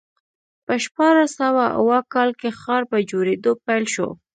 په شپاړس سوه اووه کال کې ښار په جوړېدو پیل شو.